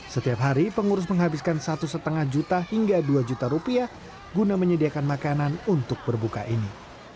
setiap hari pengurus menghabiskan satu lima juta hingga dua juta rupiah guna menyediakan makanan untuk berbuka ini